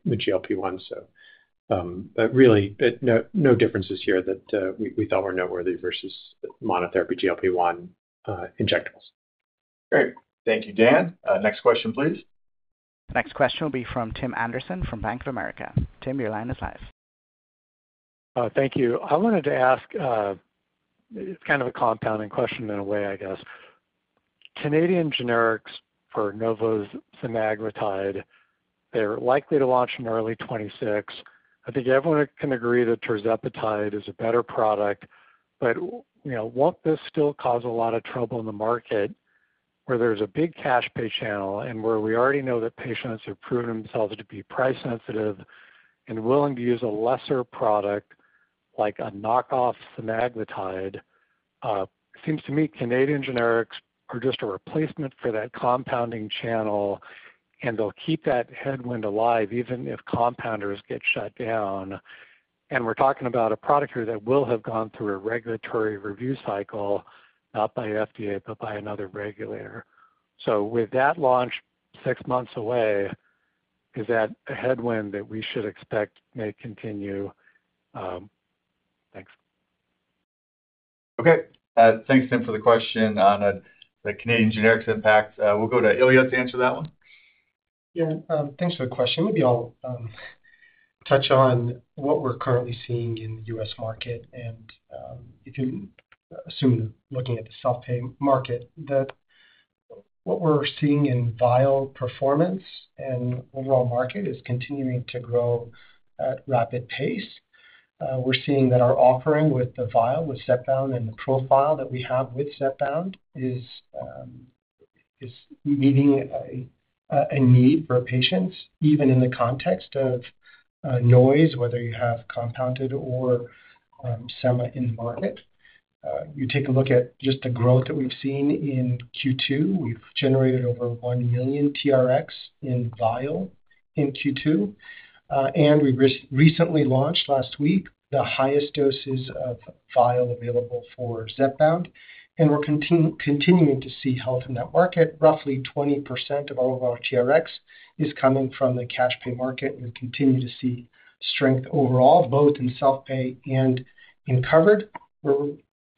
GLP-1. Really, no differences here that we thought were noteworthy versus monotherapy GLP-1 injectables. Great. Thank you, Dan. Next question, please. The next question will be from Tim Anderson from Bank of America. Tim, your line is live. Thank you. I wanted to ask kind of a compounding question in a way, I guess. Canadian generics for Novo's semaglutide, they're likely to launch in early 2026. I think everyone can agree that tirzepatide is a better product, but you know, won't this still cause a lot of trouble in the market where there's a big cash pay channel and where we already know that patients have proven themselves to be price sensitive and willing to use a lesser product like a knockoff semaglutide? It seems to me Canadian generics are just a replacement for that compounding channel, and they'll keep that headwind alive even if compounders get shut down. We're talking about a product here that will have gone through a regulatory review cycle, not by the FDA, but by another regulator. With that launch six months away, is that a headwind that we should expect may continue? Okay. Thanks, Tim, for the question on the Canadian generics impact. We'll go to Ilya to answer that one. Yeah, thanks for the question. Maybe I'll touch on what we're currently seeing in the U.S. market. You can assume looking at the self-pay market that what we're seeing in vial performance and overall market is continuing to grow at a rapid pace. We're seeing that our offering with the vial with Zepbound and the profile that we have with Zepbound is meeting a need for patients, even in the context of noise, whether you have compounded or semi-in the market. You take a look at just the growth that we've seen in Q2. We've generated over 1 million TRx in vial in Q2. We recently launched last week the highest doses of vial available for Zepbound, and we're continuing to see health in that market. Roughly 20% of all of our TRx is coming from the cash pay market. We continue to see strength overall, both in self-pay and in covered. We're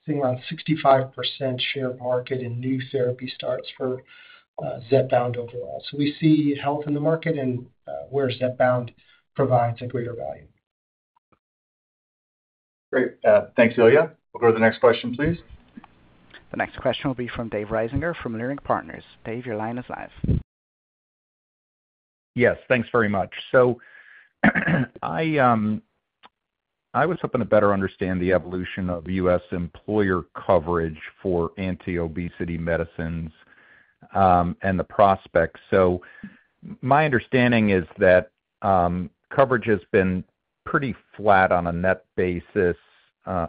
seeing around 65% share market in new therapy starts for Zepbound overall. We see health in the market and where Zepbound provides a greater value. Great. Thanks, Ilya. We'll go to the next question, please. The next question will be from Dave Risinger from Leerink Partners. Dave, your line is live. Yes, thanks very much. I was hoping to better understand the evolution of U.S. employer coverage for anti-obesity medicines and the prospects. My understanding is that coverage has been pretty flat on a net basis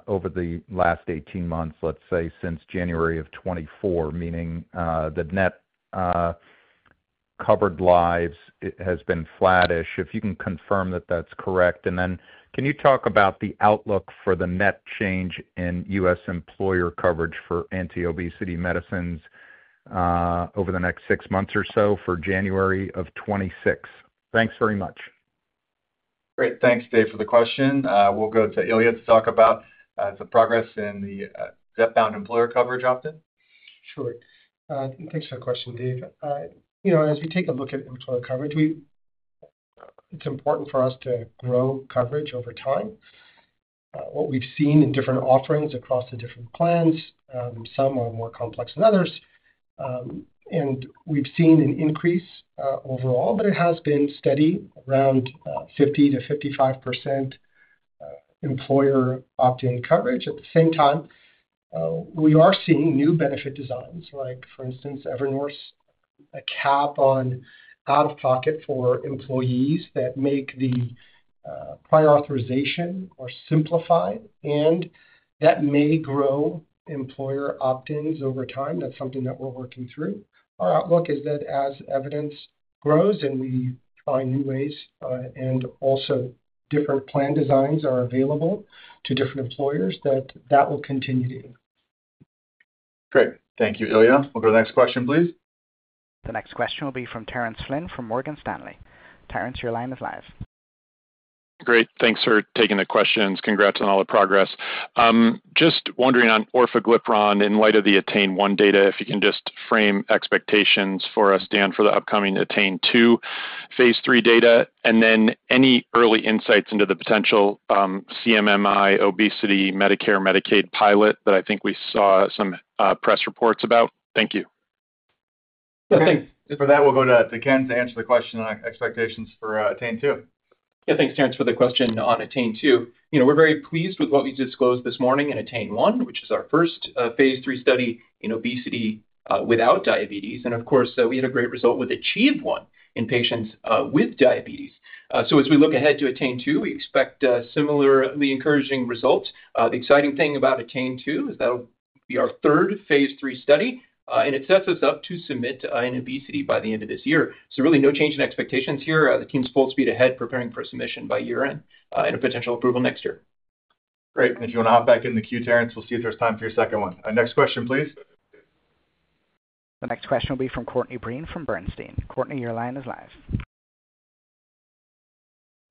over the last 18 months, let's say, since January of 2024, meaning the net covered lives has been flattish, if you can confirm that that's correct. Can you talk about the outlook for the net change in U.S. employer coverage for anti-obesity medicines over the next six months or so for January of 2026? Thanks very much. Great. Thanks, Dave, for the question. We'll go to Ilya to talk about the progress in the Zepbound employer coverage opt-in. Sure. Thanks for the question, Dave. As we take a look at employer coverage, it's important for us to grow coverage over time. What we've seen in different offerings across the different plans, some are more complex than others. We've seen an increase overall, but it has been steady around 50%-55% employer opt-in coverage. At the same time, we are seeing new benefit designs, like, for instance, [a cap] on out-of-pocket for employees that make the prior authorization more simplified. That may grow employer opt-ins over time. That's something that we're working through. Our outlook is that as evidence grows and we find new ways and also different plan designs are available to different employers, that will continue to improve. Great. Thank you, Ilya. We'll go to the next question, please. The next question will be from Terence Flynn from Morgan Stanley. Terence, your line is live. Great. Thanks for taking the questions. Congrats on all the progress. Just wondering on orforglipron in light of the ATTAIN-1 data, if you can just frame expectations for us, Dan, for the upcoming ATTAIN-2 Phase III data, and then any early insights into the potential CMMI obesity Medicare/Medicaid pilot that I think we saw some press reports about. Thank you. Okay. For that, we'll go to Ken to answer the question on expectations for ATTAIN-2. Yeah, thanks, Terence, for the question on ATTAIN-2. We're very pleased with what we disclosed this morning in ATTAIN-1, which is our first Phase III study in obesity without diabetes. We had a great result with ACHIEVE-1 in patients with diabetes. As we look ahead to ATTAIN-2, we expect similarly encouraging results. The exciting thing about ATTAIN-2 is that it'll be our third Phase III study, and it sets us up to submit in obesity by the end of this year. Really no change in expectations here. The team's full speed ahead, preparing for submission by year-end and a potential approval next year. Great. If you want to hop back in the queue, Terence, we'll see if there's time for your second one. Next question, please. The next question will be from Courtney Breen from Bernstein. Courtney, your line is live.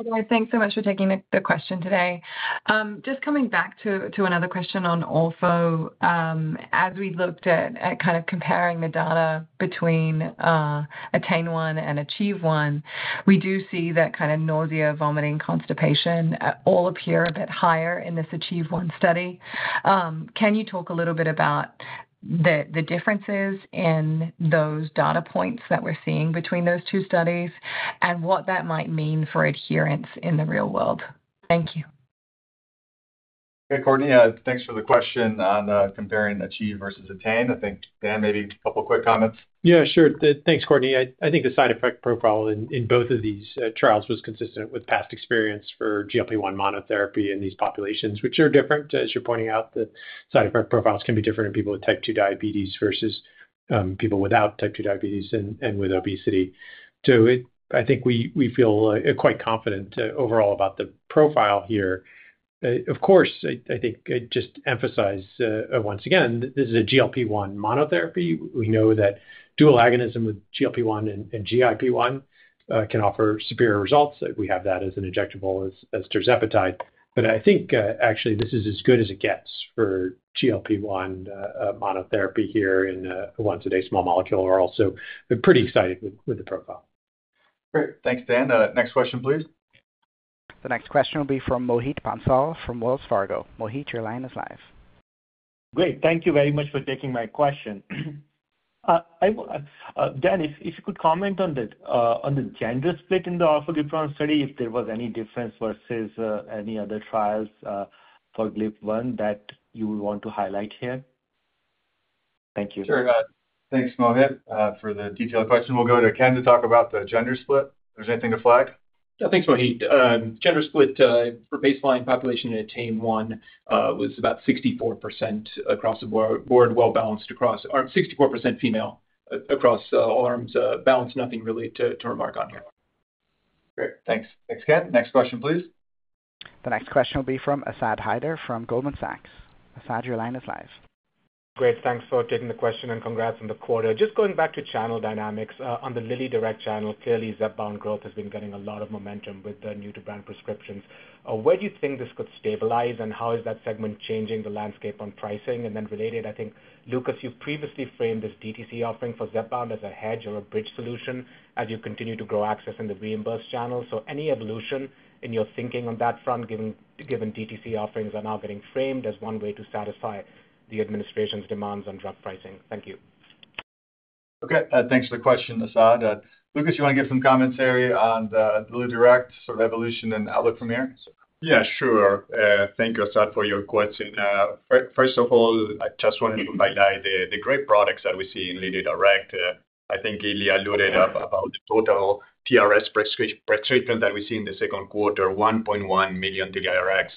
Hi, guys. Thanks so much for taking the question today. Just coming back to another question on orfor, as we've looked at kind of comparing the data between ATTAIN-1 and ACHIEVE-1, we do see that kind of nausea, vomiting, constipation all appear a bit higher in this ACHIEVE-1 study. Can you talk a little bit about the differences in those data points that we're seeing between those two studies and what that might mean for adherence in the real world? Thank you. Good, Courtney. Thanks for the question on comparing ACHIEVE versus ATTAIN. I think Dan, maybe a couple of quick comments. Yeah, sure. Thanks, Courtney. I think the side effect profile in both of these trials was consistent with past experience for GLP-1 monotherapy in these populations, which are different, as you're pointing out. The side effect profiles can be different in people with Type 2 diabetes versus people without Type 2 diabetes and with obesity. I think we feel quite confident overall about the profile here. Of course, I'd just emphasize once again that this is a GLP-1 monotherapy. We know that dual agonism with GLP-1 and GIP-1 can offer superior results. We have that as an injectable as tirzepatide. I think actually this is as good as it gets for GLP-1 monotherapy here in a once-a-day small molecule oral. I'm pretty excited with the profile. Thanks, Dan. Next question, please. The next question will be from Mohit Bansal from Wells Fargo. Mohit, your line is live. Great. Thank you very much for taking my question. Dan, if you could comment on the gender split in the orforglipron study, if there was any difference versus any other trials for GLP-1 that you would want to highlight here? Thank you. Sure. Thanks, Mohit, for the detailed question. We'll go to Ken to talk about the gender split if there's anything to flag. Yeah, thanks, Mohit. Gender split for baseline population in ATTAIN-1 was about 64% across the board, well-balanced across arms, 64% female across all arms, balanced. Nothing really to remark on here. Great. Thanks. Thanks, Ken. Next question, please. The next question will be from Asad Haider from Goldman Sachs. Asad, your line is live. Great. Thanks for taking the question and congrats on the quarter. Just going back to channel dynamics, on the LillyDirect channel, clearly Zepbound growth has been getting a lot of momentum with the new-to-brand prescriptions. Where do you think this could stabilize, and how is that segment changing the landscape on pricing? Related, I think, Lucas, you previously framed this DTC offering for Zepbound as a hedge or a bridge solution as you continue to grow access in the reimbursed channel. Any evolution in your thinking on that front, given DTC offerings are now getting framed as one way to satisfy the administration's demands on drug pricing? Thank you. Okay. Thanks for the question, Asad. Lucas, you want to give some commentary on the LillyDirect sort of evolution and outlook from there? Yeah, sure. Thank you, Asad, for your question. First of all, I just wanted to highlight the great products that we see in LillyDirect. I think Ilya alluded about the total TRx prescription that we see in the second quarter, 1.1 million TRx.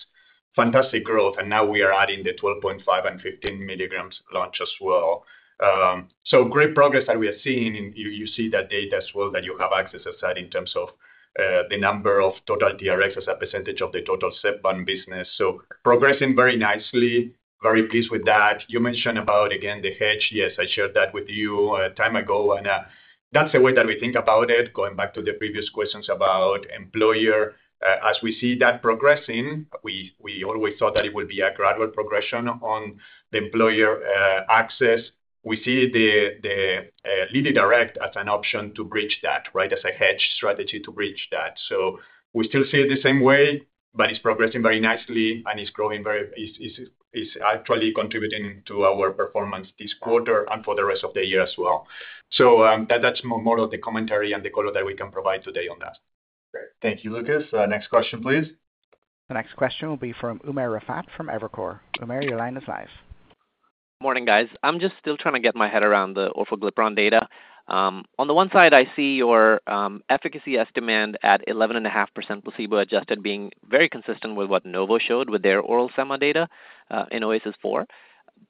Fantastic growth. We are adding the 12.5 mg and 15 mg launch as well. Great progress that we are seeing. You see that data as well that you have access, Asad, in terms of the number of total TRx as a perecntage of the total Zepbound business. Progressing very nicely. Very pleased with that. You mentioned about, again, the hedge. Yes, I shared that with you a time ago. That's the way that we think about it. Going back to the previous questions about employer, as we see that progressing, we always thought that it would be a gradual progression on the employer access. We see the LillyDirect as an option to bridge that, right, as a hedge strategy to bridge that. We still see it the same way, but it's progressing very nicely and it's growing very, it's actually contributing to our performance this quarter and for the rest of the year as well. That's more of the commentary and the color that we can provide today on that. Thank you, Lucas. Next question, please. The next question will be from Umer Rafat from Evercore. Umer, your line is live. Morning, guys. I'm just still trying to get my head around the orforglipron data. On the one side, I see your efficacy estimate at 11.5% placebo-adjusted being very consistent with what Novo showed with their oral sema data in OASIS 4.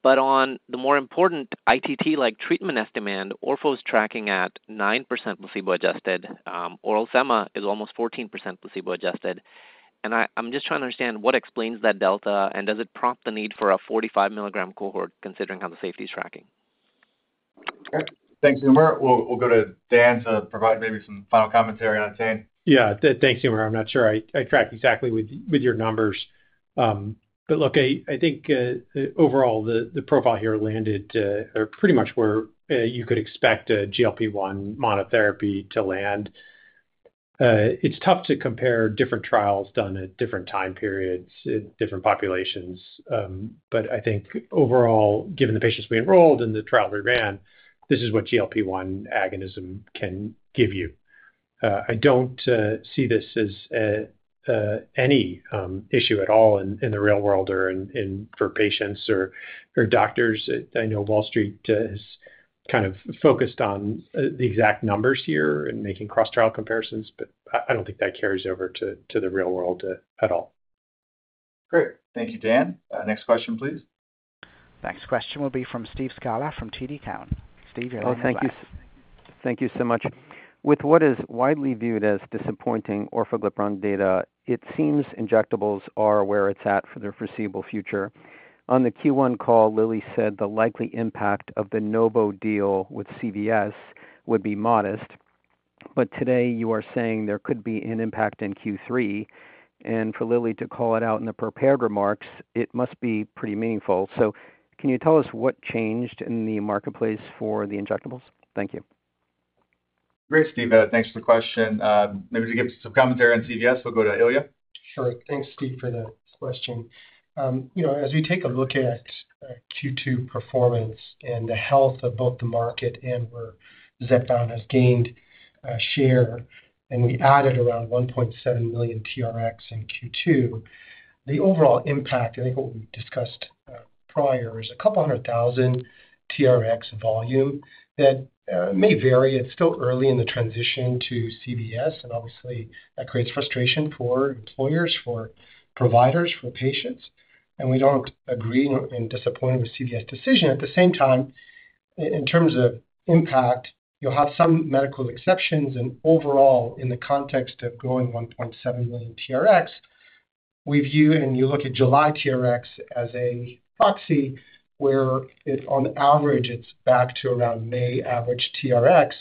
On the more important ITT-like treatment estimate, orfor's tracking at 9% placebo-adjusted. Oral sema is almost 14% placebo-adjusted. I'm just trying to understand what explains that delta and does it prompt the need for a 45 mg cohort considering how the safety is tracking? Thanks, Umer. We'll go to Dan to provide maybe some final commentary on ATTAIN. Yeah, thanks, Umer. I'm not sure I track exactly with your numbers. Look, I think overall the profile here landed pretty much where you could expect a GLP-1 monotherapy to land. It's tough to compare different trials done at different time periods in different populations. I think overall, given the patients we enrolled and the trial that we ran, this is what GLP-1 agonism can give you. I don't see this as any issue at all in the real world or for patients or doctors. I know Wall Street has kind of focused on the exact numbers here and making cross-trial comparisons, but I don't think that carries over to the real world at all. Great. Thank you, Dan. Next question, please. The next question will be from Steve Scala from TD Cowen. Steve, your line is live. Thank you. Thank you so much. With what is widely viewed as disappointing orforglipron data, it seems injectables are where it's at for the foreseeable future. On the Q1 call, Lilly said the likely impact of the Novo deal with CVS would be modest. Today, you are saying there could be an impact in Q3. For Lilly to call it out in the prepared remarks, it must be pretty meaningful. Can you tell us what changed in the marketplace for the injectables? Thank you. Great, Steve. Thanks for the question. Maybe if you could give some commentary on CVS, we'll go to Ilya. Sure. Thanks, Steve, for that question. As we take a look at Q2 performance and the health of both the market and where Zepbound has gained share, we added around 1.7 million TRx in Q2. The overall impact, I think what we discussed prior, is a couple hundred thousand TRx of volume that may vary. It's still early in the transition to CVS, and obviously, that creates frustration for employers, providers, and patients. We don't agree and are disappointed with CVS' decision. At the same time, in terms of impact, you'll have some medical exceptions. Overall, in the context of growing 1.7 million TRx, we view it, and you look at July TRx as a proxy, where on average, it's back to around May average TRx.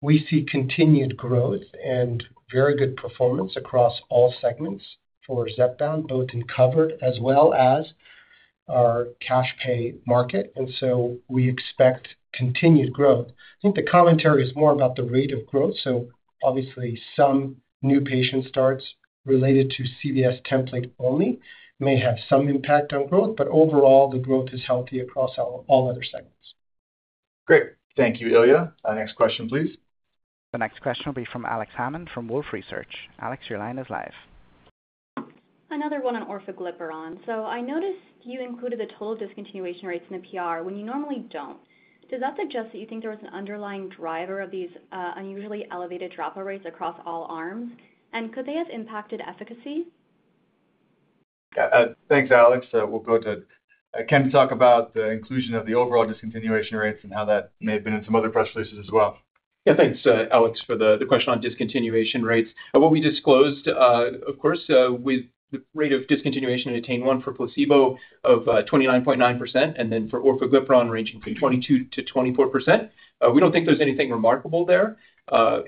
We see continued growth and very good performance across all segments for Zepbound, both in covered as well as our cash pay market. We expect continued growth. I think the commentary is more about the rate of growth. Some new patient starts related to CVS template only may have some impact on growth, but overall, the growth is healthy across all other segments. Great. Thank you, Ilya. Next question, please. The next question will be from Alex Hammond from Wolfe Research. Alex, your line is live. Another one on orforglipron. I noticed you included the total discontinuation rates in the PR when you normally don't. Does that suggest that you think there was an underlying driver of these unusually elevated dropout rates across all arms? Could they have impacted efficacy? Yeah, thanks, Alex. We'll go to Ken to talk about the inclusion of the overall discontinuation rates and how that may have been in some other press releases as well. Yeah, thanks, Alex, for the question on discontinuation rates. What we disclosed, of course, with the rate of discontinuation in ATTAIN-1 for placebo of 29.9% and then for orforglipron ranging between 22%-24%. We don't think there's anything remarkable there.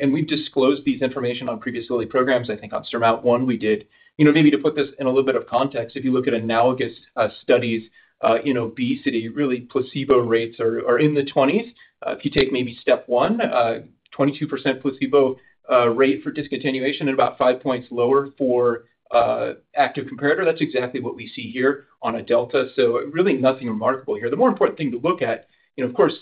We've disclosed this information on previous Lilly programs. I think on SURMOUNT-1, we did. Maybe to put this in a little bit of context, if you look at analogous studies in obesity, really placebo rates are in the 20s. If you take maybe STEP 1, 22% placebo rate for discontinuation and about five points lower for active comparator, that's exactly what we see here on a delta. Really nothing remarkable here. The more important thing to look at, of course,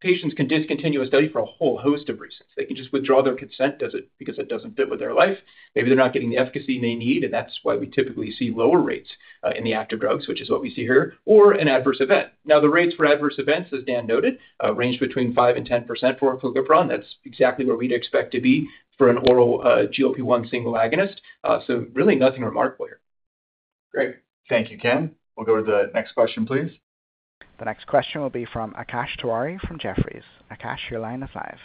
patients can discontinue a study for a whole host of reasons. They can just withdraw their consent because it doesn't fit with their life. Maybe they're not getting the efficacy they need, and that's why we typically see lower rates in the active drugs, which is what we see here, or an adverse event. Now, the rates for adverse events, as Dan noted, range between 5% and 10% for orforglipron. That's exactly where we'd expect to be for an oral GLP-1 single agonist. Really nothing remarkable here. Great. Thank you, Ken. We'll go to the next question, please. The next question will be from Akash Tewari from Jefferies. Akash, your line is live.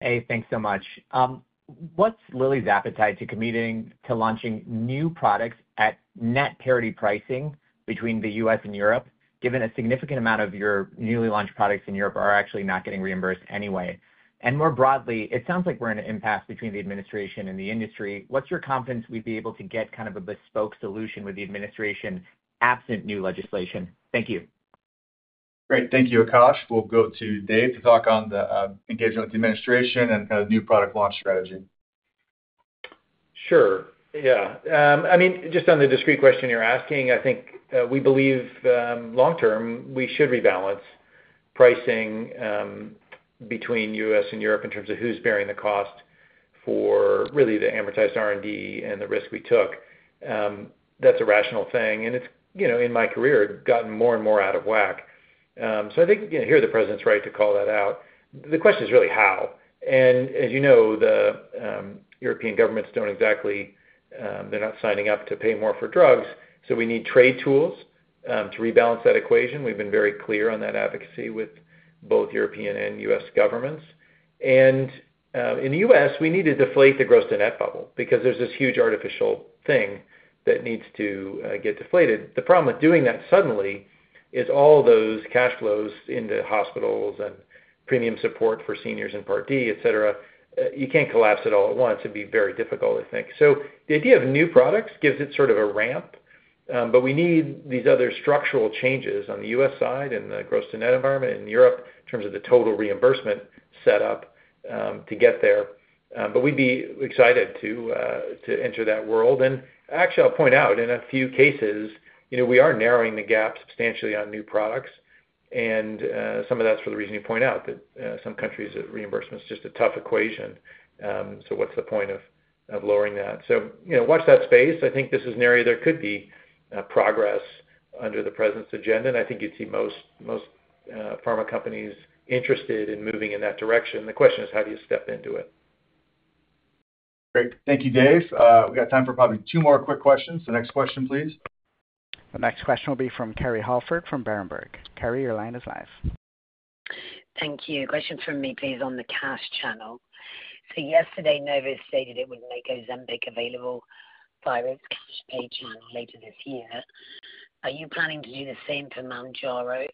Hey, thanks so much. What's Lilly's appetite to committing to launching new products at net parity pricing between the U.S. and Europe, given a significant amount of your newly launched products in Europe are actually not getting reimbursed anyway? More broadly, it sounds like we're in an impasse between the administration and the industry. What's your confidence we'd be able to get kind of a bespoke solution with the administration absent new legislation? Thank you. Great. Thank you, Akash. We'll go to Dave to talk on the engagement with the administration and kind of new product launch strategy. Sure. Yeah. Just on the discrete question you're asking, I think we believe long-term we should rebalance pricing between the U.S. and Europe in terms of who's bearing the cost for really to amortize R&D and the risk we took. That's a rational thing. In my career, it's gotten more and more out of whack. I think here the president's right to call that out. The question is really how. As you know, the European governments don't exactly, they're not signing up to pay more for drugs. We need trade tools to rebalance that equation. We've been very clear on that advocacy with both European and U.S. governments. In the U.S., we need to deflate the gross-to-net bubble because there's this huge artificial thing that needs to get deflated. The problem with doing that suddenly is all those cash flows into hospitals and premium support for seniors and Part D, etc. You can't collapse it all at once. It'd be very difficult, I think. The idea of new products gives it sort of a ramp. We need these other structural changes on the U.S. side and the gross-to-net environment in Europe in terms of the total reimbursement setup to get there. We'd be excited to enter that world. Actually, I'll point out in a few cases, we are narrowing the gap substantially on new products. Some of that's for the reason you point out that some countries' reimbursement is just a tough equation. What's the point of lowering that? Watch that space. I think this is an area there could be progress under the president's agenda. I think you'd see most pharma companies interested in moving in that direction. The question is how do you step into it? Great. Thank you, Dave. We got time for probably two more quick questions. Next question, please. The next question will be from [Kerry Halford] from Berenberg. Kerry, your line is live. Thank you. Question from me, please, on the cash channel. Yesterday, Novo stated it would make Ozempic available via its [official agent] later this year. Are you planning to do the same for Mounjaro?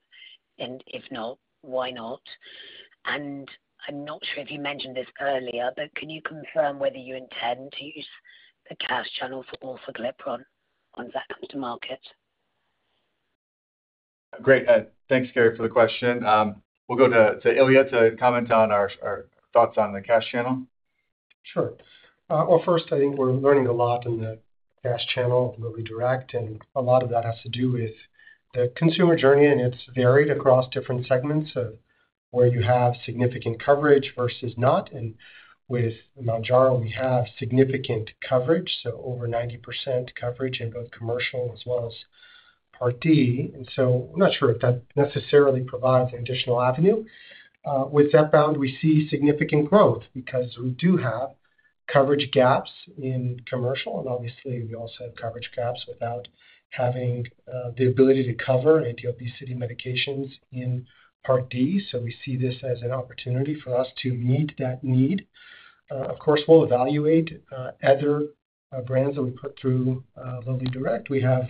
If not, why not? I'm not sure if you mentioned this earlier, but can you confirm whether you intend to use the cash channel for orforglipron once that comes to market? Great. Thanks, Kerry, for the question. We'll go to Ilya to comment on our thoughts on the cash channel. Sure. First, I think we're learning a lot in the cash channel of LillyDirect. A lot of that has to do with the consumer journey, and it's varied across different segments of where you have significant coverage versus not. With Mounjaro, we have significant coverage, so over 90% coverage in both commercial as well as Part D. I'm not sure if that necessarily provides an additional avenue. With Zepbound, we see significant growth because we do have coverage gaps in commercial. Obviously, we also have coverage gaps without having the ability to cover anti-obesity medications in Part D. We see this as an opportunity for us to meet that need. Of course, we'll evaluate other brands that we put through LillyDirect. We have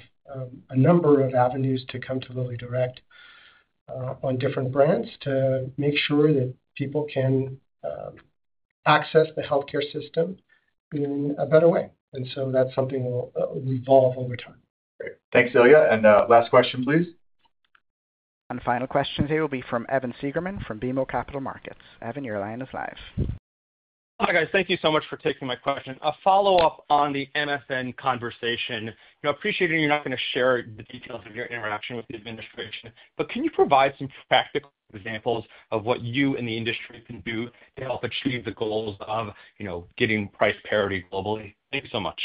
a number of avenues to come to LillyDirect on different brands to make sure that people can access the healthcare system in a better way. That's something that will evolve over time. Thanks, Ilya. Last question, please. The final question today will be from Evan Segerman from BMO Capital Markets. Evan, your line is live. Hi, guys. Thank you so much for taking my question. A follow-up on the MFN conversation. I appreciate you're not going to share the details of your interaction with the administration, but can you provide some practical examples of what you and the industry can do to help achieve the goals of getting price parity globally? Thank you so much.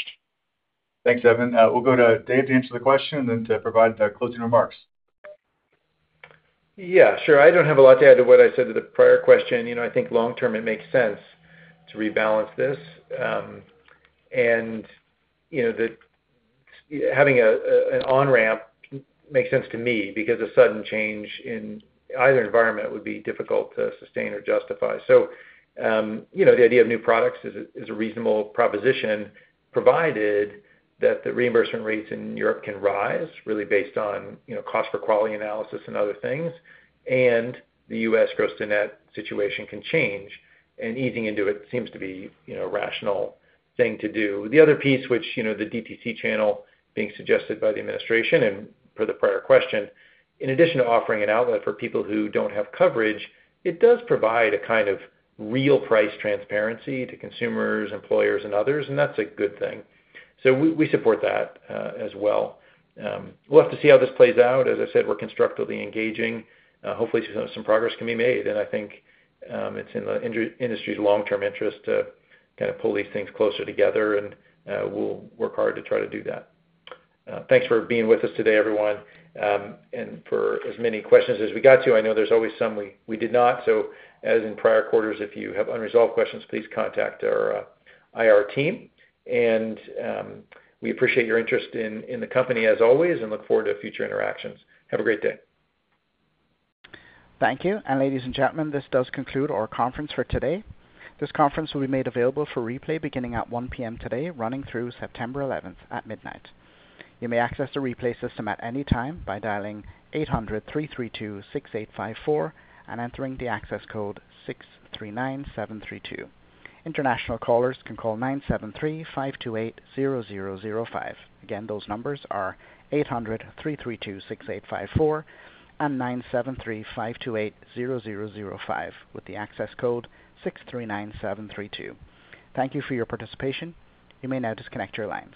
Thanks, Evan. We'll go to Dave to answer the question and then to provide closing remarks. Yeah, sure. I don't have a lot to add to what I said to the prior question. I think long-term it makes sense to rebalance this. I think that having an on-ramp makes sense to me because a sudden change in either environment would be difficult to sustain or justify. The idea of new products is a reasonable proposition provided that the reimbursement rates in Europe can rise really based on cost for quality analysis and other things. The U.S. gross-to-net situation can change. Easing into it seems to be a rational thing to do. The other piece, which is the DTC channel being suggested by the administration and per the prior question, in addition to offering an outlet for people who don't have coverage, does provide a kind of real price transparency to consumers, employers, and others. That's a good thing. We support that as well. We'll have to see how this plays out. As I said, we're constructively engaging. Hopefully, some progress can be made. I think it's in the industry's long-term interest to kind of pull these things closer together. We'll work hard to try to do that. Thanks for being with us today, everyone. For as many questions as we got to, I know there's always some we did not. As in prior quarters, if you have unresolved questions, please contact our IR team. We appreciate your interest in the company as always and look forward to future interactions. Have a great day. Thank you. Ladies and gentlemen, this does conclude our conference for today. This conference will be made available for replay beginning at 1:00 P.M. today, running through September 11 at midnight. You may access the replay system at any time by dialing 800-332-6854 and entering the access code 639732. International callers can call 973-528-0005. Again, those numbers are 800-332-6854 and 973-528-0005 with the access code 639732. Thank you for your participation. You may now disconnect your lines.